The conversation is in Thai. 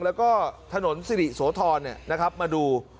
แล้วก็ถนนสิริโสธรมาดู